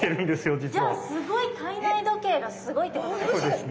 じゃあすごい体内時計がすごいってことですね。